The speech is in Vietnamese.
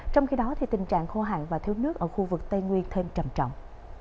trong khi đó tình trạng khô hạn và thiếu nước ở khu vực tây nguyên thêm trầm trọng